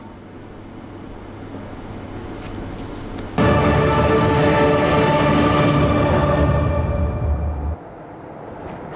xin chào quý vị